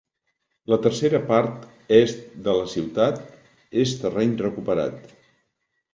La tercera part est de la ciutat és terreny recuperat.